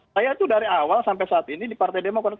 saya itu dari awal sampai saat ini di partai demokrat